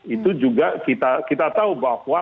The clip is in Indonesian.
itu juga kita tahu bahwa